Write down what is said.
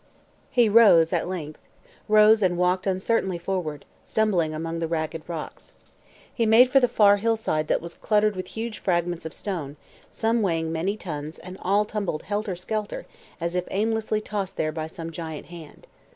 He rose, at length, rose and walked uncertainly forward, stumbling among the ragged rocks. He made for the far hillside that was cluttered with huge fragments of stone, some weighing many tons and all tumbled helter skelter as if aimlessly tossed there by some giant hand.